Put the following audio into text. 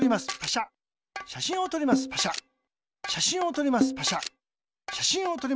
しゃしんをとります。